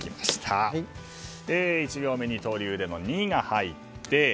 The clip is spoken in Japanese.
１行目、二刀流の「ニ」が入って。